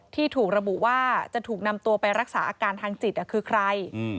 ที่ถูกระบุว่าจะถูกนำตัวไปรักษาอาการทางจิตคือใคร